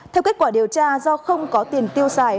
theo kết quả điều tra do không có tiền tiêu xài